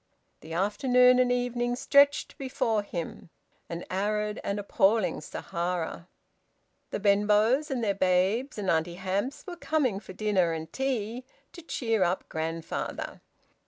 The afternoon and evening stretched before him, an arid and appalling Sahara. The Benbows, and their babes, and Auntie Hamps were coming for dinner and tea, to cheer up grandfather.